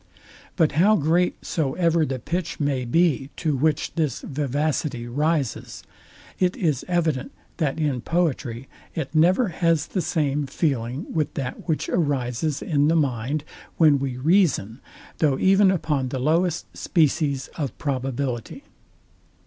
But how great soever the pitch may be, to which this vivacity rises, it is evident, that in poetry it never has the same feeling with that which arises in the mind, when we reason, though even upon the lowest species of probability.